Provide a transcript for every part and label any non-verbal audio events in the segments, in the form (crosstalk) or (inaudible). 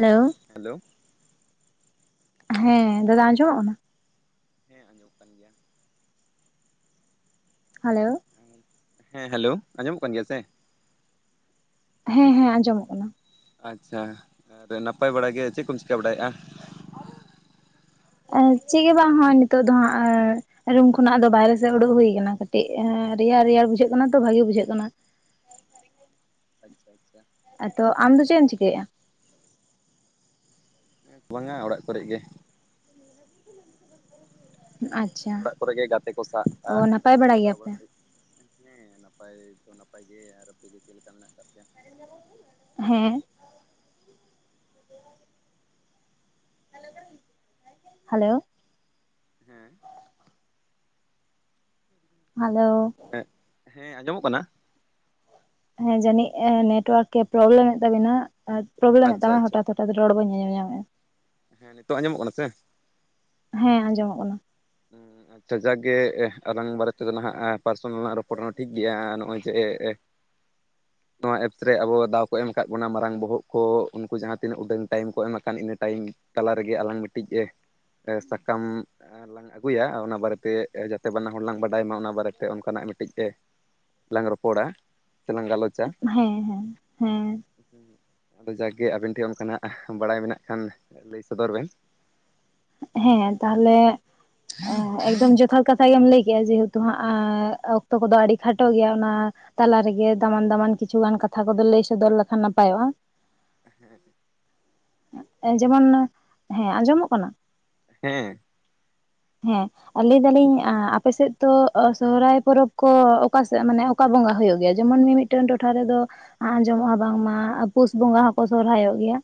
Hello. Hello. ᱦᱮᱸ ᱫᱟᱫᱟ ᱟᱸᱡᱚᱢᱚᱜ ᱠᱟᱱᱟ? ᱦᱮᱸ ᱟᱸᱡᱚᱢᱚᱜ ᱠᱟᱱ ᱜᱮᱭᱟ᱾ ᱦᱮᱞᱳ᱾ ᱦᱮᱸ ᱦᱮᱞᱳ ᱟᱸᱡᱚᱢᱚᱜ ᱠᱟᱱ ᱜᱮᱭ ᱥᱮ? ᱦᱮᱸ ᱦᱮᱸ ᱟᱸᱡᱚᱢᱚᱜ ᱠᱟᱱᱟ᱾ ᱟᱪᱪᱷᱟ ᱟᱨ ᱱᱟᱯᱟᱭ ᱵᱟᱲᱟ ᱜᱮ ᱪᱮᱫ ᱠᱚᱢ ᱪᱤᱠᱟᱹ ᱵᱟᱲᱟᱭᱮᱜᱼᱟ? ᱚ ᱪᱮᱜ ᱜᱮ ᱵᱟᱝ ᱦᱚᱸᱜ-ᱚᱭ ᱱᱤᱛᱳᱜ ᱫᱚ ᱦᱟᱸᱜ ᱨᱩᱢ ᱠᱷᱚᱱᱟᱜ ᱫᱚ ᱵᱟᱭᱨᱮ ᱥᱮᱜ ᱩᱰᱩᱠ ᱦᱩᱭ ᱠᱟᱱᱟ ᱠᱟᱹᱴᱤᱡ ᱮ ᱨᱮᱭᱟᱲ ᱨᱮᱭᱟᱲ ᱵᱩᱡᱷᱟᱹᱜ ᱠᱟᱱᱟ ᱛᱚ ᱵᱷᱟᱜᱤ ᱵᱩᱡᱷᱟᱹᱜ ᱠᱟᱱᱟ᱾ ᱟᱪᱪᱷᱟ ᱟᱪᱪᱷᱟ ᱮ ᱛᱚ ᱟᱢᱫᱚ ᱪᱮᱜ ᱮᱢ ᱪᱤᱠᱟᱹᱭᱮ-ᱟ? ᱵᱟᱝᱟ ᱚᱲᱟᱜ ᱠᱚᱨᱮᱜ ᱜᱮ᱾ ᱟᱪ ᱚᱲᱟᱜ ᱠᱚᱨᱮ ᱜᱮ ᱜᱟᱛᱮ ᱠᱚ ᱥᱟᱭ ᱵᱟᱲᱟ ᱡᱚᱴᱟᱣ ᱜᱮᱭᱟᱯᱮ? ᱚᱲᱟᱜ ᱵᱟᱲᱟᱜ ᱦᱩᱭᱩᱜ ᱦᱮᱸ ᱱᱟᱯᱟᱭ ᱫᱚ ᱱᱟᱯᱟᱭ ᱜᱮ, ᱟᱨ ᱟᱯᱮ ᱜᱮ ᱪᱮᱜ ᱞᱮᱠᱟ ᱢᱮᱱᱟᱜ ᱟᱠᱟᱜ ᱯᱮᱭᱟ? ᱦᱮᱸ ᱦᱮᱞᱳ ᱦᱮᱸ ᱦᱮᱞᱳ ᱦᱮᱸᱜ ᱦᱮᱸ ᱟᱸᱡᱚᱢᱚᱜ ᱠᱟᱱᱟ? ᱦᱮᱸ ᱡᱟᱹᱱᱤᱡ ᱱᱮᱴᱳᱣᱟᱨᱠ ᱮ ᱯᱨᱚᱵᱽᱞᱮᱢᱮᱫ ᱛᱟᱵᱤᱱᱟ ᱯᱨᱚᱵᱽᱞᱮᱢᱮᱫ ᱛᱟᱢᱟ ᱟᱪᱪᱷᱟ ᱟᱪᱪᱷᱟ ᱦᱚᱴᱟᱛ ᱨᱚᱲ ᱵᱟᱹᱧ ᱟᱸᱡᱚᱢ ᱧᱟᱢᱮᱜ-ᱟ ᱦᱮᱸ ᱱᱤᱛᱚᱜ ᱟᱸᱡᱚᱢᱚᱜ ᱠᱟᱱᱟ ᱥᱮ? ᱦᱮᱸ ᱟᱸᱡᱚᱢᱚᱜ ᱠᱟᱱᱟ᱾ ᱦᱩᱸ ᱛᱚ ᱡᱟᱠ ᱜᱮ ᱟᱞᱟᱝ ᱵᱟᱨᱮ ᱛᱮᱫᱚ ᱱᱟᱦᱟᱜ ᱯᱟᱨᱥᱚᱱᱟᱞ ᱞᱟᱝ ᱨᱚᱯᱚᱲᱱᱟ ᱴᱷᱤᱠ ᱜᱮᱭᱟ ᱱᱚᱜ-ᱚᱭ ᱡᱮ (inaudible) ᱱᱚᱣᱟ ᱮᱯᱥ ᱨᱮ ᱟᱵᱚ ᱫᱟᱣ ᱠᱚ ᱮᱢ ᱠᱟᱫ ᱵᱚᱱᱟ ᱢᱟᱨᱟᱝ ᱵᱚᱦᱚᱜ ᱠᱚ ᱩᱱᱠᱩ ᱡᱟᱦᱟᱸ ᱛᱤᱱᱟᱹᱜ ᱩᱰᱟᱹᱝ ᱴᱟᱭᱤᱢ ᱠᱚ ᱮᱢ ᱟᱠᱟᱱ ᱤᱱᱟᱹ ᱴᱟᱭᱤᱢ ᱛᱟᱞᱟ ᱨᱮᱜᱮ ᱟᱞᱟᱝ ᱢᱤᱫᱴᱤᱡ ᱥᱟᱠᱟᱢ ᱞᱟᱝ ᱟᱹᱜᱩᱭᱟ ᱚᱱᱟ ᱵᱟᱨᱮᱛᱮ ᱡᱟᱛᱮ ᱵᱟᱱᱟ ᱦᱚᱲ ᱞᱟᱝ ᱵᱟᱰᱟᱭ ᱢᱟ ᱚᱱᱟ ᱵᱟᱨᱮᱛᱮ ᱚᱱᱠᱟᱱᱟᱜ ᱢᱤᱫᱴᱤᱡ ᱮ ᱞᱟᱝ ᱨᱚᱯᱚᱲᱟ ᱥᱮ ᱞᱟᱝ ᱜᱟᱞᱚᱪ ᱦᱮᱸ ᱦᱮᱸ ᱦᱮᱸ ᱟᱫᱚ ᱡᱟᱜ-ᱜᱮ ᱟᱵᱮᱱ ᱴᱷᱮᱜ ᱚᱱᱠᱟᱱᱟᱜ ᱵᱟᱲᱟᱭ ᱢᱮᱱᱟᱜ ᱠᱷᱟᱱ ᱞᱟᱹᱭ ᱥᱚᱫᱚᱨ ᱵᱮᱱ ᱦᱮᱸ ᱛᱟᱦᱞᱮ ᱮᱠᱫᱚᱢ ᱡᱚᱛᱷᱟᱛ ᱠᱟᱛᱷᱟ ᱜᱮᱢ ᱞᱟᱹᱭ ᱠᱮ-ᱟ ᱡᱮᱦᱩᱛᱩ ᱦᱟᱸᱜ ᱚᱠᱛᱚ ᱠᱚᱫᱚ ᱟᱹᱰᱤ ᱠᱷᱟᱴᱚ ᱜᱮᱭᱟ ᱱᱟ ᱛᱟᱞᱟ ᱨᱮᱜᱮ ᱫᱟᱢᱟᱱ ᱫᱟᱢᱟᱱ ᱠᱤᱪᱷᱩᱜᱟᱱ ᱠᱟᱛᱷᱟ ᱠᱚᱫᱚ ᱞᱟᱹᱭ ᱥᱚᱫᱚᱨ ᱞᱮᱠᱷᱟᱱ ᱱᱟᱯᱟᱭᱚᱜ-ᱟ᱾ ᱮ ᱦᱮᱸ ᱡᱮᱢᱚᱱ ᱦᱮᱸ ᱟᱸᱡᱚᱢᱚᱜ ᱠᱟᱱᱟ? ᱦᱮᱸ ᱦᱮᱸ ᱟ ᱞᱟᱹᱭ ᱫᱟᱞᱤᱧ ᱟᱯᱮᱥᱮᱫ ᱛᱚ ᱥᱚᱦᱨᱟᱭ ᱯᱚᱨᱚᱵᱽ ᱠᱚ ᱚᱠᱟᱥᱮᱫ ᱢᱟᱱᱮ ᱚᱠᱟ ᱵᱚᱸᱜᱟ ᱦᱩᱭᱩᱜ ᱜᱮᱭᱟ ᱡᱮᱢᱚᱱ ᱢᱤᱻᱢᱤᱫ ᱴᱟᱹᱱ ᱴᱚᱴᱷᱟ ᱨᱮᱫᱚ ᱟᱸᱡᱚᱢᱚᱜ-ᱟ ᱵᱟᱝᱢᱟ ᱯᱩᱥ ᱵᱚᱸᱜᱟ ᱦᱚᱸᱠᱚ ᱥᱚᱨᱦᱟᱭᱚᱜ ᱜᱮᱭᱟ᱾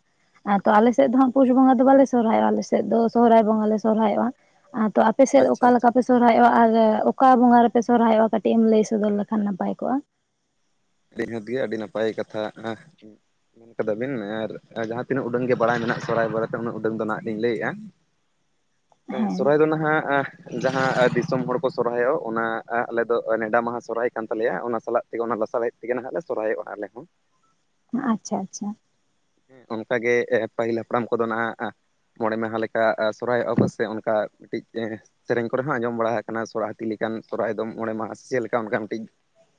ᱛᱚ ᱟᱞᱮ ᱥᱮᱜ ᱫᱚ ᱦᱟᱸᱜ ᱯᱩᱥ ᱵᱚᱸᱜᱟ ᱫᱚ ᱵᱟᱞᱮ ᱥᱚᱦᱨᱟᱭᱚᱜ ᱟᱞᱮᱥᱮᱫ ᱫᱚ ᱥᱚᱦᱨᱟᱭ ᱵᱚᱸᱜᱟ ᱞᱮ ᱥᱚᱨᱦᱟᱭᱚᱜ-ᱟ᱾ ᱟ ᱛᱚ ᱟᱯᱮᱥᱮᱫ ᱟᱪᱪᱷᱟ ᱚᱠᱟ ᱞᱮᱠᱟ ᱟᱪᱪᱷᱟ ᱯᱮ ᱥᱚᱦᱨᱟᱭᱚᱜ-ᱟ ᱟᱜᱮ ᱚᱠᱟ ᱵᱚᱸᱜᱟ ᱨᱮᱯᱮ ᱥᱚᱨᱦᱟᱭᱚᱜ-ᱟ ᱠᱟᱹᱴᱤᱜ ᱮᱢ ᱞᱟᱹᱭ ᱥᱚᱫᱚᱨ ᱞᱮᱠᱷᱟᱱ ᱱᱟᱯᱟᱭ ᱠᱚᱜ-ᱟ ᱟᱞᱤᱧ ᱦᱚᱸ ᱫᱤᱭᱮ ᱟᱹᱰᱤ ᱱᱟᱯᱟᱭ ᱠᱟᱛᱷᱟ ᱢᱮᱱ ᱠᱟᱫᱟ ᱵᱤᱱ ᱟᱨ ᱡᱟᱦᱟᱸ ᱛᱤᱱᱟᱹᱜ ᱩᱰᱟᱹᱝ ᱜᱮ ᱵᱟᱲᱟᱭ ᱢᱮᱱᱟᱜ ᱥᱚᱨᱟᱭ ᱵᱟᱨᱮᱛᱮ ᱩᱱᱟᱹᱜ ᱩᱰᱟᱹᱝ ᱫᱚ ᱱᱟᱜ ᱞᱤᱧ ᱞᱟᱹᱭᱮᱜ-ᱟ (inaudible) ᱦᱮᱸ ᱥᱚᱨᱦᱟᱭ ᱫᱚ ᱱᱟᱦᱟᱜ ᱡᱟᱦᱟᱸ ᱫᱤᱥᱚᱢ ᱦᱚᱲ ᱠᱚ ᱥᱚᱨᱦᱟᱭᱚᱜ ᱚᱱᱟ ᱟᱞᱮ ᱫᱚ ᱱᱮᱰᱟ ᱢᱟᱦᱟ ᱥᱚᱨᱦᱟᱭ ᱠᱟᱱ ᱛᱟᱞᱮᱭᱟ ᱚᱱᱟ ᱥᱟᱞᱟᱜ ᱛᱮᱜᱮ ᱚᱱᱟ ᱞᱟᱥᱟᱨᱦᱮᱫ ᱛᱮᱜᱮ ᱱᱟᱦᱟᱜ ᱞᱮ ᱥᱚᱨᱦᱟᱭᱚᱜ-ᱟ ᱟᱞᱮ ᱦᱚᱸ᱾ ᱟᱪᱪᱷᱟ ᱟᱪᱪᱷᱟ ᱦᱮᱸ ᱚᱱᱠᱟᱜᱮ ᱯᱟᱹᱦᱤᱞ ᱦᱟᱯᱲᱟᱢ ᱠᱚᱫᱚ ᱱᱟᱦᱟᱜ ᱢᱚᱬᱮ ᱢᱟᱦᱟ ᱞᱮᱠᱟ ᱥᱚᱨᱦᱟᱭᱚᱜ-ᱟ ᱠᱚ ᱥᱮ ᱚᱱᱠᱟ ᱢᱤᱫᱴᱤᱡ ᱥᱮᱨᱮᱧ ᱠᱚᱨᱮ ᱦᱚᱸ ᱟᱸᱡᱚᱢ ᱵᱟᱲᱟ ᱟᱠᱟᱱᱟ ᱥᱚᱨᱦᱟᱭ ᱦᱟᱹᱛᱤ ᱞᱮᱠᱟᱱ ᱥᱚᱨᱦᱟᱭ ᱫᱚ ᱢᱚᱬᱮ ᱢᱟᱦᱟ ᱥᱮ ᱪᱮᱫ ᱞᱮᱠᱟ ᱚᱱᱠᱟ ᱢᱤᱫᱴᱤᱡ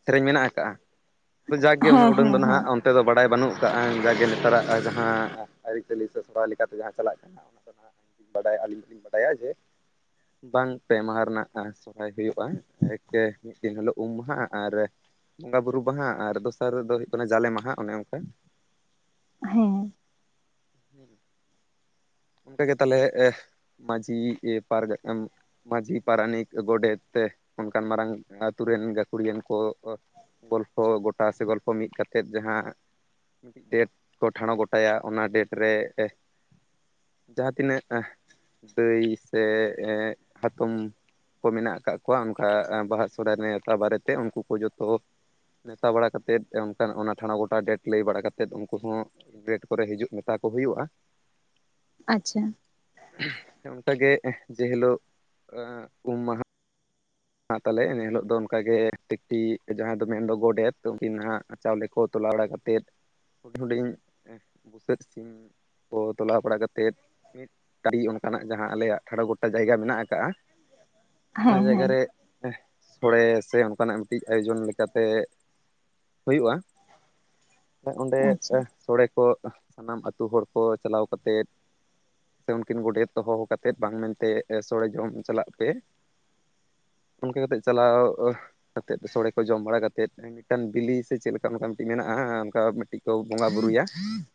ᱥᱮᱨᱮᱧ ᱢᱮᱱᱟᱜ ᱟᱠᱟᱟᱜᱼᱟ ᱡᱟᱜ ᱜᱮ ᱩᱱᱟᱹᱜ ᱦᱮᱸ ᱩᱰᱩᱝ ᱦᱮᱸ ᱫᱚ ᱱᱟᱦᱟᱸᱜ ᱦᱮᱸ ᱚᱱᱛᱮ ᱫᱚ ᱵᱟᱲᱟᱭ ᱵᱟᱹᱱᱩᱜ ᱠᱟᱜᱼᱟ ᱡᱟᱜᱮ ᱱᱟᱜ ᱪᱟᱞᱟᱜ-ᱟ ᱡᱟᱦᱟᱸ ᱟᱹᱨᱤᱪᱟᱹᱞᱤ ᱥᱮ ᱥᱨᱟᱦᱟᱭ ᱞᱮᱠᱟᱛᱮ ᱡᱟᱦᱟᱸ ᱪᱟᱞᱟᱜ ᱠᱟᱱᱟ ᱚᱱᱟ ᱫᱟ ᱵᱟᱰᱟᱭᱟ ᱟᱹᱞᱤᱧ ᱫᱚ ᱞᱤᱧ ᱵᱟᱰᱟᱭᱟ ᱡᱮ ᱵᱟᱝ ᱯᱮ ᱢᱟᱦᱟ ᱨᱮᱱᱟᱜ ᱥᱚᱨᱦᱟᱭ ᱦᱩᱭᱩᱜᱼᱟ ᱮᱠᱮ ᱢᱤᱫ ᱫᱤᱱ ᱦᱤᱞᱳᱜ ᱩᱢ ᱢᱟᱦᱟ ᱟᱨ ᱵᱚᱸᱜᱟ ᱵᱩᱨᱩ ᱢᱟᱦᱟ ᱟᱨ ᱫᱚᱥᱟᱨ ᱨᱮ ᱫᱚ ᱦᱩᱭᱩᱜ ᱠᱟᱱᱟ ᱡᱟᱞᱮ ᱢᱟᱦᱟ ᱚᱱᱮ ᱚᱱᱠᱟ ᱦᱮᱸ ᱦᱮᱸ ᱚᱱᱠᱟ ᱜᱮ ᱛᱟᱦᱚᱞᱮ ᱢᱟᱺᱡᱷᱤ ᱯᱟᱨᱜᱟ ᱢᱟᱺᱡᱷᱤ ᱯᱟᱨᱟᱱᱤᱠ ᱜᱚᱰᱮᱛ ᱛᱮ ᱚᱱᱠᱟᱱ ᱢᱟᱨᱟᱝ ᱟᱛᱩ ᱨᱮᱱ ᱜᱟᱹᱠᱷᱩᱲᱤᱭᱟᱱ ᱠᱚ ᱜᱚᱞᱯᱷᱚ ᱜᱳᱴᱟ ᱥᱮ ᱜᱚᱞᱯᱷᱚ ᱢᱤᱫ ᱠᱟᱛᱮᱫ ᱡᱟᱦᱟᱸ ᱢᱤᱫᱴᱤᱡ ᱰᱮᱴ ᱠᱚ ᱴᱷᱟᱬᱚᱸ ᱜᱚᱴᱟᱭᱟ ᱚᱱᱟ ᱰᱮᱴ ᱨᱮ ᱡᱟᱦᱟᱸ ᱛᱤᱱᱟᱹᱜ ᱫᱟᱹᱭ ᱥᱮ ᱦᱟᱛᱚᱢ ᱠᱚ ᱢᱮᱱᱟᱜ ᱟᱠᱟᱫ ᱠᱚᱣᱟ ᱚᱱᱠᱟ ᱵᱟᱦᱟ ᱥᱚᱨᱚᱦᱟᱭ ᱱᱮᱶᱛᱟ ᱵᱟᱨᱮ ᱛᱮ ᱩᱱᱠᱩ ᱠᱚ ᱡᱷᱚᱛᱚ ᱱᱮᱶᱛᱟ ᱵᱟᱲᱟ ᱠᱟᱛᱮᱫ ᱚᱱᱠᱟᱱ ᱚᱱᱟ ᱴᱷᱟᱬᱚ ᱜᱚᱴᱟ ᱰᱮᱴ ᱞᱟᱹᱭ ᱵᱟᱲᱟ ᱠᱟᱛᱮᱫ ᱩᱱᱠᱩ ᱦᱚᱸ ᱰᱮᱴ ᱠᱚᱨᱮ ᱦᱤᱡᱩᱜ ᱢᱮᱛᱟ ᱠᱚ ᱦᱩᱭᱩᱜᱼᱟ᱾ ᱟᱪᱪᱷᱟ ᱚᱱᱠᱟ ᱜᱮ ᱡᱮ ᱦᱤᱞᱳᱜ ᱩᱢ ᱢᱟᱦᱟ ᱦᱟᱸᱜ ᱛᱟᱦᱚᱞᱮ ᱤᱱᱟᱹ ᱦᱤᱞᱳᱜ ᱫᱚ ᱚᱱᱠᱮ ᱴᱤᱠᱴᱤ ᱡᱟᱦᱟᱸᱭ ᱫᱚ ᱢᱮᱱᱫᱚ ᱜᱚᱰᱮᱛ ᱩᱱᱠᱤ ᱱᱟᱦᱟᱜ ᱪᱟᱣᱞᱮ ᱠᱚ ᱛᱚᱞᱟ ᱵᱟᱲᱟ ᱠᱟᱛᱮᱫ ᱛᱮᱫ ᱦᱩᱰᱤᱧ ᱦᱩᱰᱤᱧ ᱵᱩᱥᱟᱹᱫ ᱥᱤᱢ ᱠᱚ ᱛᱚᱞᱟᱣ ᱵᱟᱲᱟ ᱠᱟᱛᱮᱫ ᱢᱤᱫ ᱠᱟᱹᱨᱤ ᱚᱱᱠᱟᱱᱟᱜ ᱡᱟᱦᱟᱸ ᱟᱞᱮᱭᱟᱜ ᱴᱷᱟᱲ ᱜᱚᱴᱟ ᱡᱟᱭᱜᱟ ᱢᱮᱱᱟᱜ ᱟᱠᱟᱟᱜ-ᱟ ᱚᱱᱟ ᱦᱮᱸ ᱡᱟᱭᱜᱟ ᱦᱮᱸ ᱨᱮ ᱥᱳᱲᱮ ᱥᱮ ᱚᱱᱠᱟᱱᱟᱜ ᱢᱤᱫᱴᱤᱡ ᱟᱭᱳᱡᱚᱱ ᱞᱮᱠᱟᱛᱮ ᱦᱩᱭᱩᱜ-ᱟ ᱚᱸᱰᱮ ᱟᱪᱪᱷᱟ ᱥᱳᱲᱮ ᱠᱚ ᱥᱟᱱᱟᱢ ᱟᱹᱛᱩ ᱦᱚᱲ ᱠᱚ ᱪᱟᱞᱟᱣ ᱠᱟ ᱠᱟᱛᱮᱫ ᱥᱮ ᱩᱱᱠᱤᱱ ᱜᱚᱰᱮᱛ ᱦᱚᱦᱚ ᱠᱟᱛᱮᱮᱫ ᱵᱟᱝ ᱢᱮᱱᱛᱮ ᱥᱳᱚᱲᱮ ᱡᱚᱢ ᱪᱟᱞᱟᱜ ᱯᱮ ᱚᱱᱠᱟ ᱠᱟᱛᱮᱜ ᱪᱟᱞᱟᱣ ᱚᱱᱠᱟ ᱠᱟᱛᱮᱫ ᱥᱳᱲᱮ ᱠᱚ ᱡᱚᱢ ᱵᱟᱲᱟ ᱠᱟᱛᱮ ᱢᱤᱫᱴᱟᱝ ᱵᱤᱞᱤ ᱥᱮ ᱪᱮᱫ ᱞᱮᱠᱟ ᱚᱱᱠᱟ ᱢᱤᱫᱴᱮᱱ ᱢᱮᱱᱟᱜᱼᱟ ᱢᱤᱫᱴᱤᱡ ᱠᱚ ᱵᱚᱸᱜᱟ ᱵᱳᱩᱨᱩᱭᱟ (inaudible)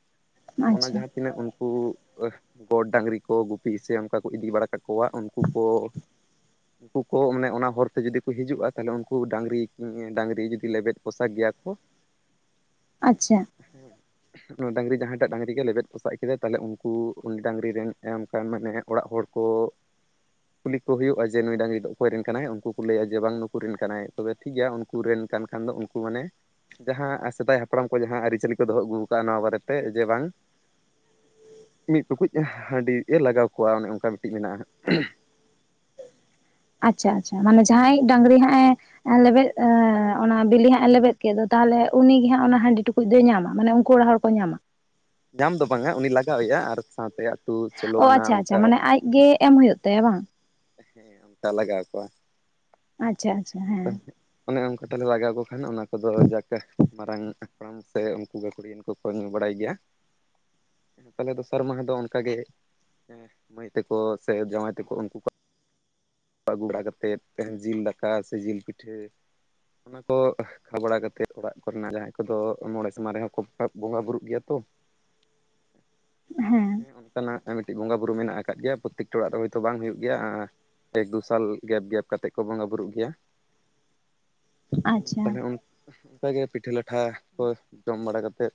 ᱚᱱᱟ ᱟᱪᱪᱷᱟ ᱡᱟᱦᱟᱸ ᱛᱤᱱᱟᱹᱜ ᱩᱱᱠᱩ ᱜᱚᱰ ᱰᱟᱹᱟᱝᱨᱤ ᱠᱚ ᱜᱩᱯᱤ ᱥᱮ ᱚᱱᱠᱟ ᱠᱚ ᱤᱫᱤ ᱵᱟᱲᱟ ᱠᱟ ᱩᱱᱠᱩ ᱠᱚᱣᱟᱜ ᱩᱱᱠᱩ ᱠᱚ ᱢᱟᱱᱮ ᱚᱱᱟ ᱦᱚᱨᱛᱮ ᱡᱩᱫᱤ ᱠᱚ ᱦᱤᱡᱩᱜᱼᱟ ᱛᱟᱦᱚᱞᱮ ᱩᱱᱠᱩ ᱰᱟᱝᱨᱤ ᱰᱟᱹᱟᱝᱨᱤ ᱡᱩᱫᱤ ᱞᱮᱵᱮᱫ ᱯᱚᱥᱟ ᱜᱮᱭᱟ ᱠᱚ᱾ ᱟᱪᱪᱷᱟ ᱦᱮᱸ ᱰᱟᱹᱝᱨᱤ ᱡᱟᱦᱟᱸᱭᱴᱟᱜ ᱰᱟᱝᱝᱨᱤ ᱜᱮ ᱞᱮᱵᱮᱫ ᱯᱚᱥᱟᱜ ᱠᱮᱫᱟᱭ ᱛᱟᱦᱚᱞᱮ ᱩᱱᱠᱩ ᱩᱱᱤ ᱰᱟᱹᱝᱨᱤ ᱨᱮᱱ ᱮᱢ ᱠᱟᱱᱟᱱ ᱢᱟᱱᱮ ᱚᱲᱟᱜ ᱦᱚᱲ ᱠᱚ ᱠᱩᱞᱤ ᱠᱚ ᱦᱩᱭᱩᱜᱼᱟ ᱡᱮ ᱱᱩᱭ ᱰᱟᱹᱝᱨᱤ ᱫᱚ ᱚᱠᱚᱭ ᱨᱮᱱ ᱠᱟᱱᱟᱭ ᱩᱱᱠᱩ ᱠᱚ ᱞᱟᱹᱭᱟ ᱡᱮ ᱵᱟᱝ ᱱᱩᱠᱩ ᱨᱮᱱ ᱠᱟᱱᱟᱭ ᱛᱚᱵᱮ ᱴᱷᱤᱠ ᱜᱮᱭᱟ ᱩᱱᱠᱩ ᱨᱮᱱ ᱠᱟᱱ ᱠᱷᱟᱱ ᱫᱚ ᱩᱱᱠᱩ ᱢᱟᱱᱮ ᱡᱟᱦᱟᱸ ᱥᱮᱫᱟᱭ ᱦᱟᱯᱲᱟᱢ ᱠᱚ ᱡᱟᱦᱟᱸ ᱟᱹᱨᱤᱪᱟᱹᱞᱤ ᱠᱚ ᱫᱚᱦᱚ ᱟᱹᱜᱩ ᱟᱠᱟᱫᱟᱼᱟ ᱱᱚᱣᱟ ᱵᱟᱨᱮ ᱛᱮ ᱡᱮ ᱵᱟᱝ ᱢᱤᱫ ᱴᱩᱠᱩᱡ ᱦᱟᱺᱰᱤ ᱮ ᱞᱟᱜᱟᱣ ᱠᱚᱣᱟ ᱚᱱᱮ ᱚᱱᱠᱟ ᱢᱤᱫᱴᱤᱡ ᱢᱮᱱᱟᱜᱼᱟ᱾ ᱟᱪᱪᱷᱟ ᱟᱪᱪᱷᱟ ᱢᱟᱱᱮ ᱡᱟᱦᱟᱸᱭ ᱰᱟᱹᱝᱨᱤ ᱦᱟᱸᱜ ᱚᱭ ᱞᱮᱵᱮᱫ ᱚᱱᱟ ᱵᱤᱞᱤ ᱦᱟᱸᱜ ᱮ ᱞᱮᱵᱮᱫ ᱠᱮᱫ ᱫᱚ ᱛᱟᱦᱚᱞᱮ ᱩᱱᱤᱜᱮ ᱦᱟᱸᱜ ᱚᱱᱟ ᱦᱟᱺᱰᱤ ᱴᱩᱠᱩᱡ ᱫᱚᱭ ᱧᱟᱢᱟ ᱢᱟᱱᱮ ᱩᱱᱠᱩ ᱚᱲᱟᱜ ᱦᱚᱲ ᱠᱚ ᱧᱟᱢᱟ ᱧᱟᱢ ᱫᱚ ᱵᱟᱝᱟ ᱩᱱᱤ ᱞᱟᱜᱟᱣᱮᱭᱟ ᱟᱨ ᱥᱟᱶᱛᱮ ᱟᱹᱛᱩ ᱥᱳᱞᱳ ᱟᱱᱟ ᱚᱱᱠᱟ ᱟᱡ ᱜᱮ ᱮᱢ ᱦᱩᱭᱩᱜ ᱛᱟᱭᱟ ᱵᱟᱝ? ᱦᱮᱸ ᱚᱱᱠᱟ ᱞᱟᱜᱟᱣ ᱠᱚᱣᱟ ᱟᱪᱪᱷᱟ ᱟᱪᱪᱷᱟ ᱦᱮᱸ ᱛ ᱚᱱᱮ ᱚᱱᱠᱟᱴᱟᱞᱮ ᱞᱟᱜᱟᱣᱠᱚ ᱠᱷᱟᱱ ᱚᱱᱟ ᱠᱚᱫᱚ ᱡᱟᱠᱟᱼᱼ ᱢᱟᱨᱟᱝ ᱦᱟᱯᱲᱟᱢ ᱥᱮ ᱩᱱᱠᱩ ᱜᱟᱹᱠᱷᱩᱲᱤᱭᱟᱹᱮᱱ ᱠᱚ ᱠᱚ ᱧᱩ ᱵᱟᱲᱟᱭ ᱜᱮᱭᱟ᱾ ᱛᱟᱦᱚᱞᱮ ᱫᱚᱥᱟᱨ ᱢᱟᱦᱟ ᱫᱚ ᱚᱱᱠᱟᱟᱜ ᱜᱮᱼᱼ ᱦᱮᱸ ᱢᱟᱹᱭ ᱛᱟᱠᱚ ᱥᱮ ᱡᱟᱶᱟᱭ ᱛᱟᱠᱚ ᱩᱱᱠᱩ ᱠᱚ ᱟᱹ ᱜᱩᱵᱟᱲᱟ ᱠᱟᱛᱮᱮᱫ ᱡᱤᱞ ᱫᱟᱼᱼ ᱠᱟ ᱥᱮ ᱡᱤᱞ ᱯᱤᱴᱷᱟᱹ ᱚᱱᱟ ᱠᱚ ᱠᱷᱟᱵᱽᱲᱟ ᱠᱟᱛᱮᱮᱫ ᱚᱲᱟᱜ ᱠᱚᱨᱮᱱᱟᱜ ᱡᱟᱦᱟᱸᱭ ᱠᱚᱫᱚ ᱢᱚᱬᱮ ᱥᱮᱢᱟ ᱨᱮᱦᱚᱸ ᱠᱚ ᱵᱚᱸᱜᱟ ᱵᱩᱨᱩᱜ ᱜᱮᱭᱟ ᱛᱚ ᱦᱮᱸ ᱦᱮᱸ ᱚᱱᱠᱟᱱᱟᱜ ᱢᱤᱫᱴᱤᱡ ᱵᱚᱸᱜᱟ ᱵᱩᱨᱩ ᱢᱮᱱᱟᱜ ᱟᱠᱟᱫ ᱜᱮᱭᱟ ᱯᱨᱚᱛᱛᱮᱠᱴᱮ ᱚᱲᱟᱜ ᱨᱮ ᱦᱳᱭᱛᱳ ᱵᱟᱝ ᱦᱩᱭᱩᱜ ᱜᱮᱭᱟ᱾ ᱮᱠ ᱫᱩ ᱥᱟᱞ ᱜᱮᱯ ᱜᱮᱯ ᱠᱟᱛᱮᱜ ᱠᱚ ᱵᱚᱸᱜᱟ ᱵᱩᱨᱩᱜ ᱜᱮᱭᱟ ᱟᱪᱪᱷᱟ ᱛᱟᱦᱞᱮ ᱩᱱᱼᱼ ᱚᱱᱠᱟᱜᱮ ᱯᱤᱴᱷᱟᱹ ᱞᱟᱴᱷᱟ ᱠᱚ ᱡᱚᱢ ᱵᱟᱲᱟ ᱠᱟᱛᱮᱫᱼᱼ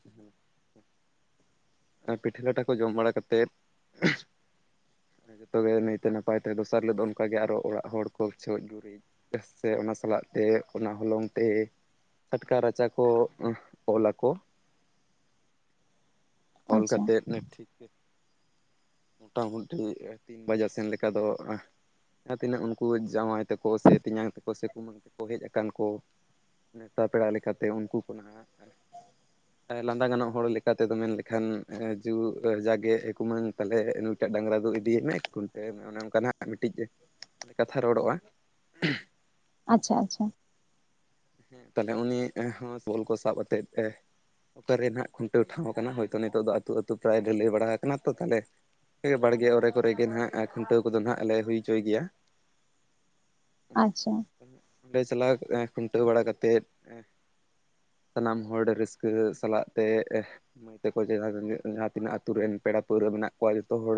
ᱟᱨ ᱯᱤᱴᱷᱟᱹ ᱞᱟᱴᱷᱟ ᱠᱚ ᱡᱚᱢ ᱵᱟᱲᱟ ᱠᱟᱛᱮᱫᱼᱼ ᱡᱚᱛᱚᱜᱮ ᱱᱟᱭᱛᱮ ᱱᱟᱯᱟᱭ ᱛᱮ ᱫᱚᱥᱟᱨ ᱦᱤᱞᱳᱜ ᱫᱚ ᱚᱱᱠᱟᱜᱮ ᱟᱨᱚ ᱚᱲᱟᱜ ᱦᱚᱲ ᱠᱚ ᱪᱷᱚᱡ ᱜᱩᱨᱤᱡ ᱥᱮ ᱚᱱᱟ ᱥᱟᱞᱟᱜ ᱛᱮ ᱚᱱᱟ ᱦᱚᱞᱚᱝ ᱛᱮᱼᱼ ᱪᱷᱟᱴᱠᱟ ᱨᱟᱪᱟ ᱠᱚ ᱚᱞᱟ ᱟᱠᱚ᱾ ᱚᱞ ᱟᱪᱪᱷᱟ ᱠᱟᱛᱮᱫ ᱱᱮᱼᱼ ᱢᱚᱴᱟᱢᱩᱴᱤ ᱛᱤᱱ ᱵᱟᱡᱟᱜ ᱥᱮᱱ ᱞᱮᱠᱟ ᱫᱚᱼᱼ ᱡᱟᱦᱟᱸ ᱛᱤᱱᱟᱹᱜ ᱩᱱᱠᱩ ᱡᱟᱶᱟᱭ ᱛᱮᱟᱠᱚ ᱥᱮᱼᱼ ᱛᱮᱧᱟᱝ ᱛᱮᱠᱚ ᱥᱮ ᱠᱩᱢᱟᱹᱝ ᱛᱮᱠᱚ ᱦᱮᱡ ᱟᱠᱟᱱ ᱠᱚ ᱱᱮᱶᱛᱟ ᱯᱮᱲᱟ ᱞᱮᱠᱟᱛᱮ ᱩᱱᱠᱩ ᱠᱚ ᱱᱟᱦᱟᱜ (inaudible) ᱞᱟᱸᱫᱟ ᱜᱟᱱᱚᱜ ᱦᱚᱲ ᱞᱮᱠᱟ ᱛᱮᱫᱚ ᱢᱮᱱ ᱞᱮᱠᱷᱟᱱ ᱡᱩ ᱡᱟᱜᱮ ᱮ ᱠᱩᱢᱟᱹᱝ ᱛᱟᱦᱚᱞᱮ ᱱᱩᱭᱴᱟᱜ ᱰᱟᱝᱨᱟ ᱫᱚ ᱤᱫᱤᱭ ᱢᱮ ᱮᱠ ᱠᱩᱭᱴᱟᱞ ᱢᱮ ᱚᱱᱮ ᱚᱱᱠᱟ ᱱᱟᱦᱟᱜ ᱢᱤᱫᱴᱤᱡᱮ ᱠᱟᱛᱷᱟ ᱨᱚᱲᱚᱜᱼᱟ᱾ (unintelligible) ᱟᱪᱪᱷᱟ, ᱟᱪᱪᱷᱟ ᱦᱮᱸ ᱛᱟᱦᱚᱞᱮ ᱩᱱᱤ ᱵᱚᱞ ᱠᱚ ᱟᱛᱮᱜ ᱛᱮ ᱼᱼ ᱚᱠᱟᱨᱮ ᱱᱟᱦᱟᱜ ᱠᱷᱩᱱᱴᱟᱹᱣ ᱴᱷᱟᱣ ᱠᱟᱱᱟ ᱦᱳᱭᱛᱳ ᱱᱤᱛᱚᱜ ᱫᱚ ᱟᱹᱛᱩ ᱟᱹᱛᱩ ᱯᱨᱟᱭ ᱜᱮ ᱞᱟᱹᱭ ᱵᱟᱲᱟ ᱟᱠᱟᱱᱟ ᱛᱚ ᱛᱟᱦᱞᱮᱼᱼ ᱵᱟᱲᱜᱮ ᱚᱨᱮ ᱠᱚᱨᱮᱜ ᱜᱮ ᱱᱟᱦᱱᱟᱜ ᱠᱷᱩᱱᱴᱟᱹᱣ ᱠᱚᱫᱚ ᱱᱟᱦᱟᱜ ᱞᱮ ᱦᱩᱭ ᱦᱚᱪᱚᱭ ᱜᱮᱭᱟ᱾ ᱟᱪᱪᱷᱟ ᱚᱸᱰᱮ ᱪᱟᱞᱟᱣ ᱠᱷᱩᱱᱴᱟᱹᱣ ᱵᱟᱲᱟ ᱠᱟᱛᱮᱮᱫ ᱥᱟᱱᱟᱢ ᱦᱚᱲ ᱨᱟᱹᱥᱠᱟᱹ ᱥᱟᱞᱟᱜ ᱛᱮᱼᱼ (unintelligible) ᱡᱟᱦᱟᱸ ᱛᱤᱱᱟᱹᱜ ᱟᱹᱛᱩ ᱨᱮᱱ ᱯᱮᱲᱟ ᱯᱟᱹᱲᱦᱟᱹ ᱢᱮᱱᱟᱜ ᱠᱚᱣᱟ ᱡᱚᱛᱚ ᱦᱚᱲᱼᱼ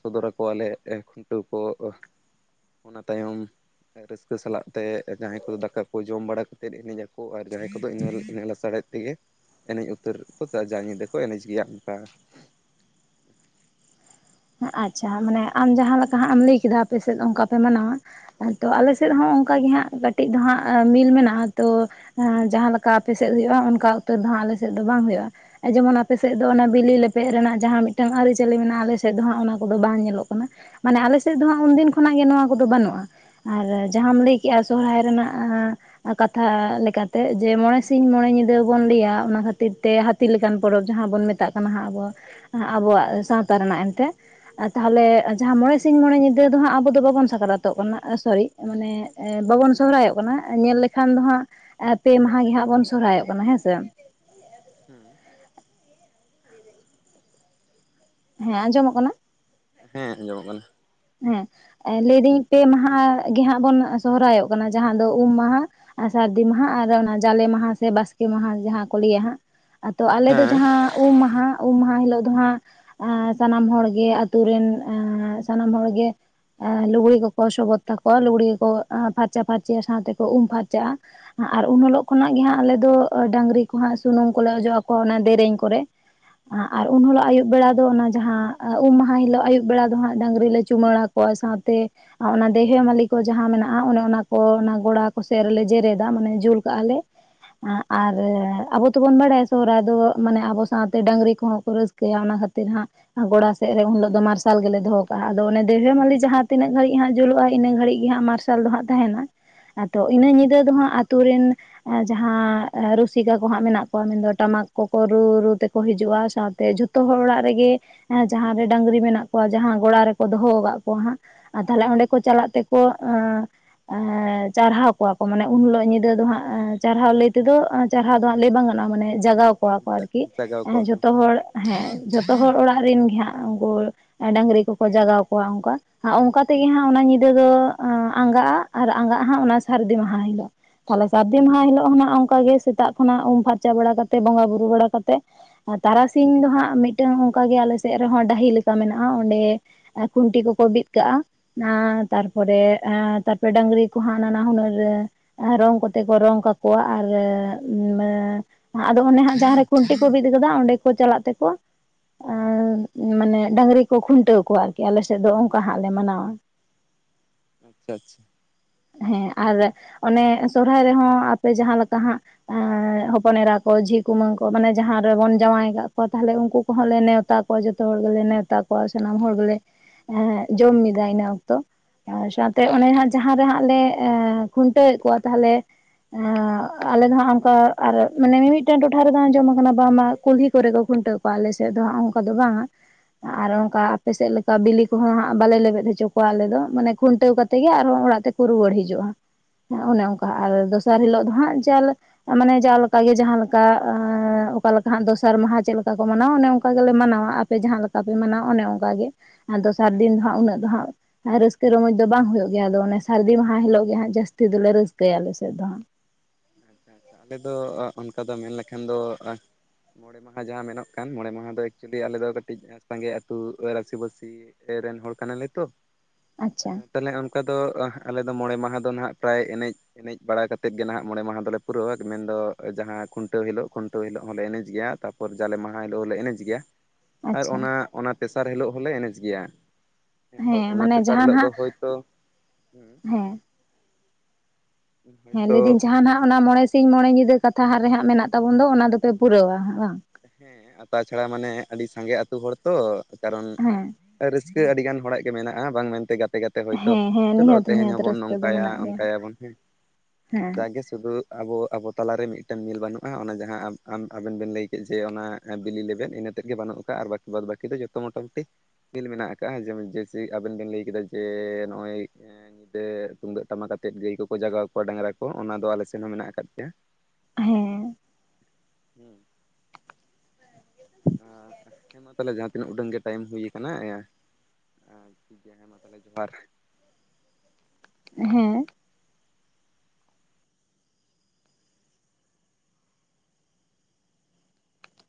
ᱥᱚᱫᱚᱨ ᱟᱠᱚᱣᱟ ᱞᱮ ᱠᱷᱩᱱᱴᱟᱹᱣ ᱠᱚ, ᱚᱱᱟ ᱛᱟᱭᱚᱢ ᱨᱟᱹᱥᱠᱟᱹ ᱥᱟᱞᱟᱜ ᱛᱮ ᱡᱟᱦᱟᱸᱭᱼᱼ ᱫᱟᱠᱟ ᱠᱚ ᱡᱚᱢ ᱵᱟᱲᱟ ᱠᱟᱛᱮᱫ ᱮᱱᱮᱡ ᱟᱠᱚ ᱟᱨ ᱡᱟᱦᱟᱸᱭ ᱠᱚᱫᱚ ᱤᱱᱟᱹ ᱞᱟᱥᱟᱲᱦᱮᱫ ᱛᱮᱜᱮᱼᱼ ᱮᱱᱮᱡ ᱩᱛᱟᱹᱨ ᱠᱚ ᱡᱟ ᱧᱤᱫᱟᱹ ᱠᱚ ᱮᱱᱮᱡ ᱜᱮᱭᱟ ᱚᱱᱠᱟ᱾ ᱟᱪᱪᱷᱟ ᱢᱟᱱᱮ ᱟᱢ ᱦᱮᱸ ᱡᱟᱦᱟ ᱞᱮᱠᱟ ᱦᱟᱸᱜ ᱮᱢ ᱞᱟᱹᱭ ᱠᱮᱫᱟ ᱟᱯᱮ ᱥᱮᱫ ᱚᱱᱠᱟ ᱯᱮ ᱢᱟᱱᱟᱣᱟ᱾ ᱟᱫᱚ ᱟᱞᱮ ᱦᱮᱸ ᱥᱮᱫ ᱦᱚᱸ ᱚᱱᱠᱟ ᱜᱮ ᱦᱟᱸᱜ ᱠᱟᱹᱴᱤᱡ ᱫᱚ ᱦᱟᱸᱜ ᱢᱤᱞ ᱢᱮᱱᱟᱜᱼᱟ ᱛᱚᱼᱼ ᱡᱟᱦᱟ ᱞᱮᱠᱟ ᱟᱯᱮ ᱥᱮᱫ ᱦᱳᱭᱳᱜᱼᱟ ᱚᱱᱠᱟ ᱩᱛᱟᱹᱨ ᱫᱚ ᱦᱟᱸᱜ ᱟᱞᱮ ᱥᱮᱫ ᱫᱚ ᱵᱟᱝ ᱦᱳᱭᱳᱜᱼᱟ᱾ ᱡᱮ ᱢᱚᱱ ᱟᱯᱮ ᱥᱮᱫ ᱫᱚ ᱚᱱᱟ ᱵᱤᱞᱤ ᱞᱮᱵᱮᱫ ᱨᱮᱱᱟᱜ ᱡᱟᱦᱟ ᱢᱤᱫ ᱴᱟᱝ ᱟᱹᱨᱤ ᱪᱟᱹᱞᱤ ᱢᱮᱱᱟᱜᱼᱟ ᱟᱞᱮᱼᱼ ᱥᱮᱫ ᱫᱚ ᱦᱟᱸᱜ ᱚᱱᱟ ᱠᱚᱫᱚ ᱵᱟᱝ ᱧᱮᱞᱚᱜ ᱠᱟᱱᱟ ᱢᱟᱱᱮ ᱟᱞᱮ ᱥᱮᱫ ᱫᱚ ᱦᱟᱸᱜ ᱩᱱ ᱫᱤᱱ ᱠᱷᱚᱱᱟᱜ ᱜᱮ ᱱᱚᱣᱟ ᱠᱚᱫᱚ ᱵᱟᱹᱱᱩᱜᱼᱟ᱾ ᱟᱨ ᱡᱟᱦᱟᱢ ᱞᱟᱹᱭ ᱠᱮᱜᱟ ᱥᱚᱦᱚᱨᱟᱭ ᱨᱮᱱᱟᱜ᱾ ᱠᱟᱛᱷᱟ ᱞᱮᱠᱟ ᱛᱮ ᱡᱮ ᱢᱚᱸᱬᱮ ᱥᱤᱧ ᱢᱚᱸᱬᱮ ᱧᱤᱫᱟᱹ ᱵᱚᱱ ᱞᱟᱹᱭ-ᱟ ᱚᱱᱟ ᱠᱷᱟᱹᱛᱤᱨ ᱛᱮᱼᱼ ᱦᱟᱹᱛᱤ ᱞᱮᱠᱟᱱ ᱯᱚᱨᱚᱵᱽ ᱡᱟᱦᱟ ᱵᱚᱱ ᱢᱮᱛᱟᱜ ᱠᱟᱱᱟ ᱦᱟᱸᱜ ᱟᱵᱚᱼᱼ ᱟᱵᱚᱣᱟᱜ ᱥᱟᱶᱛᱟ ᱨᱮᱱᱟᱜ ᱮᱱᱛᱮ ᱛᱟᱦᱞᱮ ᱡᱟᱦᱟ ᱢᱚᱬᱮ ᱥᱤᱧ ᱢᱚᱬᱮ ᱧᱤᱫᱟᱹ ᱫᱚ ᱦᱟᱸᱜ ᱟᱵᱚ ᱫᱚ ᱵᱟᱵᱚᱱ ᱥᱟᱠᱨᱟᱛᱚᱜ ᱠᱟᱱᱟ ᱥᱚᱨᱤ ᱢᱟᱱᱮ ᱵᱟᱵᱚᱱ ᱥᱚᱦᱨᱟᱭᱚᱜ ᱠᱟᱱᱟ ᱧᱮᱞ ᱞᱮ ᱠᱷᱟᱱ ᱫᱚ ᱦᱟᱸᱜ ᱯᱮ ᱢᱟᱦᱟ ᱜᱮ ᱦᱟᱸᱜ ᱵᱚᱱ ᱥᱚᱨᱦᱟᱭᱚᱜ ᱠᱟᱱᱟ ᱦᱮᱸᱥᱮ᱾ ᱦᱩᱸ᱾ ᱦᱮᱸ ᱟᱸᱡᱚᱢ ᱚᱜ ᱠᱟᱱᱟ? ᱦᱮᱸ ᱟᱸᱡᱚᱢᱚᱜ ᱠᱟᱱᱟ᱾ ᱦᱮᱸ ᱞᱟᱹᱭ ᱫᱟᱹᱧ ᱯᱮ ᱢᱟᱦᱟ ᱜᱮ ᱦᱟᱸᱜ ᱵᱚᱱ ᱥᱚᱦᱨᱟᱭ ᱚᱜ ᱠᱟᱱᱟ, ᱡᱟᱦᱟ ᱫᱚ ᱩᱸᱢ ᱢᱟᱦᱟ ᱟᱨ ᱥᱟᱹᱨᱫᱤ ᱢᱟᱦᱟ ᱟᱨ ᱚᱱᱟ ᱡᱟᱞᱮ ᱢᱟᱦᱟ ᱥᱮ ᱵᱟᱥᱠᱮ ᱢᱟᱦᱟ ᱡᱟᱦᱟ ᱠᱚ ᱞᱟᱹᱭᱟ ᱦᱟᱸᱜ, ᱟᱫᱚ ᱟᱞᱮ ᱫᱚ ᱡᱟᱦᱟᱸ ᱩᱸᱢ ᱢᱟᱦᱟ ᱩᱸᱢ ᱢᱟᱦᱟ ᱦᱤᱞᱳᱜ ᱫᱚ ᱦᱟᱸᱜ ᱟᱸ ᱥᱟᱱᱟᱢ ᱦᱚᱲ ᱜᱮ ᱟᱛᱳ ᱨᱮᱱ ᱟᱸ ᱥᱟᱱᱟᱢ ᱦᱚᱲ ᱜᱮ ᱮ ᱞᱩᱜᱽᱲᱤ ᱠᱚᱠᱚ ᱥᱚᱵᱚᱛ ᱛᱟᱠᱚᱣᱟ ᱞᱩᱜᱽᱲᱤ ᱠᱚᱠᱚ ᱯᱷᱟᱨᱪᱟ ᱯᱷᱟᱨᱪᱤᱭᱟ ᱥᱟᱶ ᱛᱮᱠᱚ ᱩᱢ ᱯᱷᱟᱨᱪᱟᱜᱼᱟ᱾ ᱟᱨ ᱩᱱ ᱦᱤᱞᱳᱜ ᱠᱷᱚᱱᱟᱜ ᱜᱮ ᱦᱟᱸᱜ ᱟᱞᱮ ᱫᱚ ᱰᱟᱹᱝᱨᱤ ᱠᱚ ᱦᱟᱸᱜ ᱥᱩᱱᱩᱢ ᱠᱚᱞᱮ ᱚᱡᱚᱜ ᱟᱠᱚᱣᱟ ᱚᱱᱟ ᱫᱮᱹᱨᱮᱧ ᱠᱚᱨᱮ᱾ ᱟᱨ ᱩᱱ ᱦᱤᱞᱳᱜ ᱟᱹᱭᱩᱵ ᱵᱮᱲᱟ ᱫᱚ ᱚᱱᱟ ᱡᱟᱦᱟ ᱩᱸᱢ ᱢᱟᱦᱟ ᱦᱤᱞᱳᱜ ᱟᱹᱭᱩᱵ ᱵᱮᱲᱟ ᱫᱚ ᱦᱟᱸᱜ ᱰᱟᱹᱝᱨᱤ ᱞᱮ ᱪᱩᱢᱟᱹᱲᱟ ᱠᱚᱣᱟ ᱥᱟᱶ ᱛᱮ ᱟᱨ ᱚᱱᱟ ᱫᱮᱣᱦᱮ ᱢᱟᱹᱞᱤ ᱠᱚ ᱡᱟᱦᱟ ᱢᱮᱱᱟᱜᱼᱟ, ᱚᱱᱮ ᱚᱱᱟ ᱠᱚ ᱚᱱᱟ ᱜᱚᱲᱟ ᱠᱚ ᱥᱮᱫ ᱨᱮᱞᱮ ᱡᱮᱨᱮ ᱫᱟ ᱢᱟᱱᱮ ᱡᱩᱹᱞ ᱠᱟᱜᱼᱟ ᱞᱮ᱾ ᱟᱸᱜ ᱟᱞᱮ ᱟᱵᱚ ᱛᱚ ᱵᱚᱱ ᱵᱟᱲᱟᱭᱟ ᱥᱚᱦᱨᱟᱭ ᱫᱚ ᱢᱟᱱᱮ ᱟᱵᱚ ᱥᱟᱶ ᱛᱮ ᱰᱟᱹᱝᱨᱤ ᱠᱚᱦᱚᱸ ᱠᱚ ᱨᱟᱹᱥ ᱠᱟᱹᱭᱟ ᱚᱱᱟ ᱠᱷᱟᱹᱛᱤᱨ ᱦᱟᱸᱜ ᱟᱨ ᱜᱚᱲᱟ ᱥᱮᱫ ᱨᱮ ᱩᱱ ᱦᱤᱞᱳᱜ ᱫᱚ ᱢᱟᱨᱥᱟᱞ ᱜᱮᱞᱮ ᱫᱚᱦᱚ ᱠᱟᱜᱼᱟ ᱟᱫᱚ ᱚᱱᱮ ᱫᱮᱣᱦᱮ ᱢᱟᱹᱞᱤ ᱡᱟᱦᱟ ᱛᱤᱱᱟᱹᱜ ᱜᱟᱹᱲᱤᱡ ᱦᱟᱸᱜ ᱡᱩᱞᱩᱜᱼᱟ ᱤᱱᱟᱹ ᱜᱷᱟᱹᱲᱤᱡ ᱜᱮ ᱦᱟᱸᱜ ᱢᱟᱨᱥᱟᱞ ᱫᱚ ᱦᱟᱸᱜ ᱛᱟᱦᱮᱸᱱᱟ᱾ ᱟᱫᱚ ᱤᱱᱟᱹ ᱧᱤᱫᱟᱹ ᱫᱚ ᱦᱟᱸᱜ ᱟᱛᱩ ᱨᱮᱱ ᱮᱸ ᱡᱟᱦᱟ ᱨᱩᱹᱥᱤᱠᱟ ᱠᱚ ᱦᱟᱸᱜ ᱢᱮᱱᱟᱜ ᱠᱚᱣᱟ ᱢᱮᱱ ᱫᱚ ᱴᱟᱢᱟᱠ ᱠᱚ ᱠᱚ ᱨᱩ ᱨᱩ ᱛᱮ ᱠᱚ ᱦᱤᱡᱩᱜᱼᱟ, ᱥᱟᱶᱛᱮ ᱡᱷᱚ ᱛᱚ ᱦᱚᱲ ᱚᱲᱟᱜ ᱨᱮᱜᱮ ᱮᱸ ᱡᱟᱦᱟᱸ ᱨᱮ ᱰᱟᱹᱝᱨᱤ ᱢᱮᱱᱟᱜ ᱠᱚᱣᱟ ᱡᱟᱦᱟᱸ ᱜᱚᱲᱟ ᱨᱮᱠᱚ ᱫᱚᱦᱚ ᱠᱟᱜ ᱠᱚᱣᱟ ᱦᱟᱸᱜ ᱟᱨ ᱛᱟᱦᱞᱮ ᱚᱸᱰᱮ ᱦᱮᱸ ᱠᱚ ᱪᱟᱞᱟᱜ ᱛᱮᱠᱚ ᱟᱸ ᱮᱸ ᱪᱟᱨᱦᱟᱣ ᱠᱚᱣᱟ ᱠᱚ ᱢᱟᱱᱮ ᱩᱱ ᱦᱤᱞᱳᱜ ᱧᱤᱫᱟᱹ ᱫᱚ ᱦᱟᱸᱜ ᱪᱟᱨᱦᱟᱣ ᱞᱟᱹᱭ ᱛᱮᱫᱚ ᱪᱟᱨᱦᱟᱣ ᱫᱚ ᱦᱟᱸᱜ ᱞᱟᱹᱭ ᱵᱟᱝ ᱜᱟᱱᱚᱜᱼᱟ, ᱢᱟᱱᱮ ᱡᱟᱸᱜᱟᱣ ᱠᱚᱣᱟ ᱠᱚ ᱟᱨᱠᱤ, ᱦᱮᱸ ᱡᱟᱜᱟᱣ ᱠᱚᱣᱟ ᱠᱚ ᱡᱷᱚᱛᱚ ᱦᱚᱲ ᱦᱮᱸ ᱡᱷᱚᱛᱚ ᱦᱚᱲ ᱚᱲᱟᱜ ᱨᱮᱱ ᱜᱮ ᱦᱟᱸᱜ ᱩᱱᱠᱩ ᱰᱟᱹᱝᱨᱤ ᱠᱚᱠᱚ ᱡᱟᱸᱜᱟᱣ ᱠᱚᱣᱟ ᱚᱝᱠᱟ᱾ ᱟᱨ ᱚᱝᱠᱟ ᱛᱮᱜᱮ ᱦᱟᱸᱜ ᱚᱱᱟ ᱧᱤᱫᱟᱹ ᱫᱚ ᱟᱸᱜᱟᱜᱼᱟ ᱟᱨ ᱟᱸᱜᱟᱜᱼᱟ ᱦᱟᱸᱜ ᱚᱱᱟ ᱥᱟᱹᱨᱫᱤ ᱢᱟᱦᱟ ᱦᱤᱞᱳᱜ᱾ ᱛᱟᱦᱞᱮ ᱥᱟᱹᱨᱫᱤ ᱢᱟᱦᱟ ᱦᱤᱞᱳᱜ ᱦᱮᱸᱱᱟᱜᱼᱟ ᱚᱝᱠᱟ ᱜᱮ ᱥᱮᱛᱟᱜ ᱠᱷᱚᱱᱟᱜ ᱩᱸᱢ ᱯᱷᱟᱨᱪᱟ ᱵᱟᱲᱟ ᱠᱟᱛᱮ ᱵᱚᱸᱜᱟ ᱵᱩᱨᱩ ᱵᱟᱲᱟ ᱠᱟᱛᱮᱜ ᱟᱨ ᱛᱟᱨᱟ ᱥᱤᱧ ᱫᱚ ᱦᱟᱸᱜ ᱢᱤᱫ ᱴᱟᱝ ᱚᱝᱠᱟ ᱜᱮ ᱟᱞᱮ ᱥᱮᱫ ᱨᱮᱦᱚᱸ ᱰᱟᱹᱦᱤ ᱞᱮᱠᱟ ᱢᱮᱱᱟᱜᱼᱟ ᱚᱸᱰᱮ ᱮ ᱠᱷᱩᱱᱴᱤ ᱠᱚᱠᱚ ᱵᱤᱫ ᱠᱟᱜᱼᱟ᱾ ᱱᱟ ᱛᱟᱨᱯᱚᱨᱮ ᱦᱮᱸ ᱛᱟᱨᱯᱚᱨᱮ ᱰᱟᱹᱝᱨᱤ ᱠᱚ ᱦᱟᱸᱜ ᱱᱟᱱᱟ ᱦᱩᱱᱟᱹᱨ ᱨᱚᱝ ᱠᱚᱛᱮ ᱠᱚ ᱨᱚᱝ ᱠᱟᱠᱚᱣᱟ ᱟᱨ (inaudible) ᱟᱫᱚ ᱚᱱᱮ ᱦᱟᱸᱜ ᱡᱟᱦᱟᱸ ᱨᱮ ᱠᱷᱩᱱᱴᱤ ᱠᱚ ᱵᱤᱫ ᱠᱟᱫᱟ ᱚᱸᱰᱮ ᱠᱚ ᱪᱟᱞᱟᱜ ᱛᱮᱠᱚ ᱟᱸ ᱢᱟᱱᱮ ᱰᱟᱹᱝᱨᱤ ᱠᱚ ᱠᱷᱩᱱᱴᱟᱹᱣ ᱠᱚᱣᱟ ᱟᱨᱠᱤ, ᱟᱞᱮ ᱥᱮᱫ ᱫᱚ ᱚᱱᱠᱟ ᱦᱟᱸᱜ ᱞᱮ ᱢᱟᱱᱟᱣᱟ᱾ ᱟᱪᱪᱷᱟ ᱟᱪᱪᱷᱟ᱾ ᱦᱮᱸ ᱟᱨ ᱚᱱᱮ ᱥᱚᱨᱦᱟᱭ ᱨᱮᱦᱚᱸ ᱟᱯᱮ ᱡᱟᱦᱟᱸ ᱞᱮᱠᱟ ᱦᱟᱸᱜ ᱮᱸ ᱦᱚᱯᱚᱱ ᱮᱨᱟ ᱠᱚ ᱡᱷᱤ ᱠᱩᱢᱟᱹᱝ ᱠᱚ ᱢᱟᱱᱮ ᱡᱟᱦᱟᱸ ᱨᱮᱵᱚᱱ ᱡᱟᱶᱟᱭ ᱠᱟᱜ ᱠᱚᱣᱟ ᱛᱟᱦᱞᱮ ᱩᱱᱠᱩ ᱠᱚᱦᱚᱸ ᱞᱮ ᱱᱮᱣᱛᱟ ᱠᱚ ᱡᱷᱚᱛᱚ ᱦᱚᱲ ᱜᱮᱞᱮ ᱱᱮᱣᱛᱟ ᱠᱚᱣᱟ ᱥᱟᱱᱟᱢ ᱦᱚᱲ ᱜᱮᱞᱮ ᱮᱸᱜ ᱡᱚᱢ ᱢᱤᱫᱟ ᱤᱱᱟᱹ ᱚᱠᱛᱚ ᱟᱨ ᱥᱟᱶᱛᱮ ᱚᱱᱮ ᱡᱟᱦᱟᱸ ᱨᱮ ᱦᱟᱸᱜ ᱞᱮ ᱠᱷᱩᱱᱴᱟᱹᱣᱫ ᱠᱚᱣᱟ ᱛᱟᱦᱚᱞᱮ ᱮᱸ ᱟᱞᱮ ᱫᱚ ᱦᱟᱸᱜ ᱚᱱᱠᱟ ᱟᱨ ᱢᱟᱱᱮ ᱢᱤ-ᱢᱤᱫᱴᱟᱝ ᱴᱚᱴᱷᱟ ᱨᱮᱫᱚ ᱟᱡᱚᱢ ᱟᱠᱟᱱᱟ ᱵᱟᱝᱢᱟ ᱠᱩᱞᱦᱤ ᱠᱚᱨᱮ ᱠᱚ ᱠᱷᱩᱱᱴᱟᱹᱣ ᱟᱞᱮ ᱥᱮᱫ ᱫᱚ ᱦᱟᱸᱜ ᱚᱱᱠᱟ ᱫᱚ ᱵᱟᱝᱟ᱾ ᱟᱨ ᱚᱱᱠᱟ ᱟᱯᱮᱥᱮᱫ ᱞᱮᱠᱟ ᱵᱮᱞᱮ ᱠᱚᱦᱚᱸ ᱦᱟᱸᱜ ᱵᱟᱞᱮ ᱞᱮᱵᱮᱫ ᱦᱚᱪᱚ ᱠᱚᱣᱟ ᱟᱞᱮ ᱫᱚ, ᱢᱟᱱᱮ ᱠᱷᱩᱱᱴᱟᱹᱣ ᱠᱟᱛᱮ ᱜᱮ ᱟᱨᱦᱚᱸ ᱚᱲᱟᱜ ᱛᱮ ᱠᱩ ᱨᱩᱣᱟᱹᱲ ᱦᱤᱡᱩᱜᱼᱟ ᱚᱱᱮ ᱚᱱᱠᱟ ᱟᱨ ᱫᱚᱥᱟᱨ ᱦᱤᱞᱳᱜ ᱫᱚ ᱦᱟᱸᱜ ᱡᱟᱞᱮ ᱢᱟᱱᱮ ᱡᱟᱣᱞᱮᱠᱟᱜᱮ ᱡᱟᱦᱟᱸ ᱞᱮᱠᱟ ᱚᱠᱟ ᱞᱮᱠᱟ ᱦᱟᱸᱜ ᱫᱚᱥᱟᱨ ᱢᱟᱦᱟ ᱪᱮᱫ ᱞᱮᱠᱟ ᱠᱚ ᱢᱟᱱᱟᱣ-ᱟ ᱚᱱᱮ ᱚᱝᱠᱟ ᱜᱮᱞᱮ ᱢᱟᱱᱟᱣ-ᱟ᱾ ᱟᱯᱮ ᱡᱟᱦᱟᱸ ᱞᱮᱠᱟ ᱯᱮ ᱢᱟᱱᱟᱣ ᱚᱱᱮ ᱚᱱᱠᱟ ᱜᱮ ᱫᱚᱥᱟᱨ ᱫᱤᱱ ᱟᱪᱪᱷᱟ ᱫᱚ ᱦᱟᱸᱜ ᱟᱪᱪᱷᱟ ᱩᱱᱟᱹᱜ ᱫᱚ ᱦᱟᱸᱜ ᱨᱟᱹᱥᱠᱟᱹ ᱨᱚᱢᱡᱽ ᱫᱚ ᱵᱟᱝ ᱦᱩᱭᱩᱜ ᱜᱮᱭᱟ ᱟᱫᱚᱼᱼ ᱥᱟᱹᱨᱤ ᱢᱟᱦᱟ ᱦᱤᱞᱳᱜ ᱜᱮ ᱦᱟᱸᱜ ᱡᱟᱹᱥᱛᱤ ᱫᱚᱞᱮ ᱨᱟᱹᱥᱠᱟᱹᱭᱟ ᱟᱞᱮᱥᱮᱫ ᱫᱚ ᱦᱟᱸᱜ ᱟᱪᱪᱷᱟ ᱟᱞᱮ ᱚᱱᱠᱟ ᱫᱚ ᱢᱮᱱ ᱞᱮᱠᱷᱟᱱ ᱫᱚᱼᱼ ᱢᱚᱬᱮ ᱢᱟᱦᱟ ᱡᱟᱦᱟᱸ ᱢᱮᱱᱚᱜ ᱠᱟᱱ ᱢᱚᱬᱮ ᱢᱟᱦᱟ ᱫᱚ ᱮᱠᱪᱩᱭᱮᱞᱤ ᱟᱞᱮ ᱫᱚ ᱠᱟᱹᱴᱤᱡ ᱥᱟᱸᱜᱮ ᱟᱹᱛᱩ ᱨᱟᱥᱤ ᱵᱟᱹᱥᱤᱼᱼ (unintelligible) ᱨᱮᱱ ᱦᱚᱲ ᱠᱟᱱᱟ ᱞᱮ ᱛᱚ ᱟᱪᱪᱷᱟ ᱛᱟᱦᱚᱞᱮ ᱚᱱᱠᱟ ᱫᱚ ᱟᱞᱮ ᱫᱚ ᱢᱚᱬᱮ ᱢᱟᱦᱟ ᱫᱚ ᱦᱟᱸᱜ ᱯᱨᱟᱭ ᱮᱱᱮᱡ ᱮᱱᱮᱡ ᱵᱟᱲᱟ ᱠᱟᱛᱮᱫ ᱜᱮ ᱱᱟᱦᱟᱸᱜᱼᱼ ᱢᱚᱬᱮ ᱢᱟᱦᱟ ᱫᱚᱞᱮ ᱯᱩᱨᱟᱹᱣᱟ ᱢᱮᱱᱫᱚ ᱡᱟᱦᱟᱸ ᱠᱷᱩᱱᱴᱟᱹᱣ ᱦᱤᱞᱳᱜ ᱠᱷᱩᱱᱴᱟᱹᱣ ᱦᱤᱞᱳᱜ ᱦᱚᱸᱞᱮ ᱮᱱᱮᱡ ᱜᱮᱭᱟᱼᱼ ᱯᱚᱨ ᱡᱟᱞᱮ ᱢᱟᱦᱟ ᱦᱤᱞᱳᱜ ᱞᱮ ᱮᱱᱮᱡ ᱜᱮᱭᱟ᱾ (inaudible) ᱟᱨ ᱚᱱᱟ ᱚᱱᱟ ᱛᱮᱥᱟᱨ ᱦᱤᱞᱳᱜ ᱦᱚᱞᱮ ᱮᱱᱮᱡ ᱜᱮᱭᱟ᱾ ᱦᱮᱸ ᱚᱱᱟ ᱢᱟᱱᱮ ᱛᱮᱥᱟᱨ ᱡᱟᱦᱟᱸ ᱦᱤᱞᱳᱜ ᱫᱚ ᱱᱟᱦᱟᱜ ᱦᱳᱭ ᱛᱳᱼᱼ ᱦᱮᱸ ᱦᱩᱸ ᱦᱮᱸ ᱦᱳᱭᱛᱳ ᱞᱟᱹᱭᱫᱟᱹᱧ ᱡᱟᱦᱟᱸᱱᱟᱜ ᱚᱱᱟ ᱢᱚᱬᱮ ᱥᱤᱧ ᱢᱚᱬᱮ ᱧᱤᱫᱟᱹ ᱠᱟᱛᱷᱟ ᱨᱮ ᱦᱟᱸᱜ ᱢᱮᱱᱟᱜ ᱛᱟᱵᱚᱱ ᱫᱚ ᱚᱱᱟ ᱫᱚᱯᱮ ᱯᱩᱨᱟᱹᱣᱟ ᱵᱟᱝ? ᱦᱮᱸ ᱛᱟᱪᱷᱟᱲᱟ ᱢᱟᱱᱮ ᱟᱹᱰᱤ ᱥᱟᱸᱜᱮ ᱟᱹᱛᱩ ᱦᱚᱲ ᱛᱚ ᱠᱟᱨᱚᱱᱼᱼ (inaudible) ᱨᱟᱹᱥᱠᱟᱹ ᱟᱹᱰᱤᱜᱟᱱ ᱦᱚᱲᱟ-ᱜ ᱜᱮ ᱢᱮᱱᱟᱜᱼᱟ ᱵᱟᱝ ᱢᱮᱱᱛᱮ ᱜᱟᱛᱮᱼᱼ ᱜᱟᱛᱮ ᱜᱟᱛᱮ ᱦᱳᱭᱛᱚ ᱦᱮᱸ ᱦᱮᱸ ᱪᱚᱞᱚ ᱱᱤᱦᱟᱹᱛ ᱛᱮᱦᱮᱧ ᱱᱤᱦᱟᱹᱛ ᱦᱚᱸᱵᱚᱱ ᱨᱟᱹᱥᱠᱟᱹ ᱫᱚ ᱱᱚᱝᱠᱟᱭᱟ ᱢᱮᱱᱟᱜ ᱜᱮᱭᱟ ᱚᱱᱠᱟᱭᱟ ᱵᱚᱱ ᱦᱮᱸᱼᱼ ᱦᱮᱸ ᱥᱩᱫᱩ ᱟᱵᱚ ᱟᱵᱚ ᱛᱟᱞᱟᱨᱮ ᱢᱤᱫᱴᱮᱱ ᱢᱮᱞ ᱵᱟᱹᱱᱩᱜᱼᱟ ᱚᱱᱟ ᱡᱟᱦᱟᱸ ᱟᱢ ᱟᱵᱮᱱ ᱵᱮᱱ ᱞᱟᱹᱭ ᱠᱮᱫᱼᱼ ᱡᱮ ᱚᱱᱟ ᱵᱮᱞᱤ ᱞᱮᱵᱮᱫ ᱤᱱᱟᱹᱛᱮᱫ ᱜᱮ ᱵᱟᱹᱱᱩᱜ ᱠᱟᱜᱼᱟ ᱟᱨ ᱵᱟᱠᱤ ᱵᱟᱫ ᱵᱟᱹᱠᱤ ᱫᱚ ᱡᱚᱛᱚ ᱢᱚᱴᱟᱢᱩᱴᱤᱼᱼ ᱠᱷᱮᱞ ᱢᱮᱱᱟᱜ ᱟᱠᱟᱫᱟ ᱟᱵᱮᱱ ᱵᱮᱱ ᱞᱟᱹᱭ ᱠᱮᱫᱟ ᱡᱮ ᱱᱚᱜᱼᱚᱭᱼᱼ ᱧᱤᱫᱟᱹ ᱛᱩᱢᱫᱟᱹᱜ ᱴᱟᱢᱟᱠ ᱟᱛᱮᱫ ᱜᱟᱹᱭ ᱠᱚᱠᱚ ᱡᱟᱜᱟᱣ ᱠᱚᱣᱟ ᱰᱟᱝᱨᱟ ᱠᱚ ᱚᱱᱟ ᱫᱚ ᱟᱞᱮ ᱥᱮᱱ ᱦᱚᱸ ᱢᱮᱱᱟᱜ ᱟᱠᱟᱫ ᱜᱮᱭᱼᱟ ᱦᱮᱸ ᱦᱮᱸ ᱦᱮᱸ ᱢᱟ ᱛᱟᱦᱚᱞᱮ ᱡᱟᱦᱟᱸ ᱛᱤᱱᱟᱹᱜ ᱩᱰᱟᱹᱝ ᱜᱮ ᱴᱟᱭᱤᱢ ᱦᱩᱭ ᱦᱮᱸ (unintelligible) ᱡᱚᱦᱟᱨ ᱦᱮᱸ